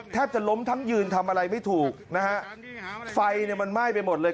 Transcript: แทบจะล้มทั้งยืนทำอะไรไม่ถูกนะฮะไฟเนี่ยมันไหม้ไปหมดเลย